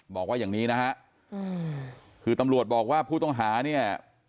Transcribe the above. บอกว่าอย่างนี้นะฮะคือตำรวจบอกว่าผู้ต้องหาเนี่ย